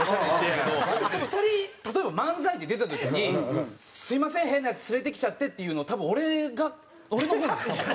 でも２人例えば漫才で出た時に「すみません変なヤツ連れてきちゃって」って言うの多分俺が俺の方です多分。